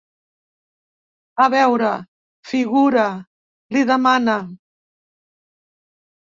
A veure, figura —li demana—.